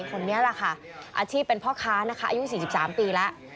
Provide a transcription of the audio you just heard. คนนี้แหละค่ะอาชีพเป็นพ่อค้านะคะอายุ๔๓ปีแล้ว